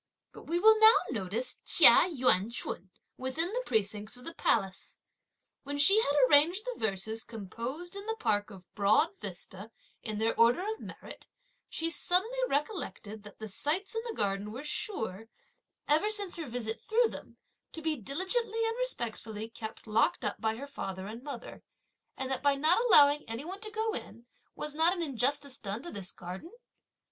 But we will now notice Chia Yüan ch'un, within the precincts of the Palace. When she had arranged the verses composed in the park of Broad Vista in their order of merit, she suddenly recollected that the sights in the garden were sure, ever since her visit through them, to be diligently and respectfully kept locked up by her father and mother; and that by not allowing any one to go in was not an injustice done to this garden?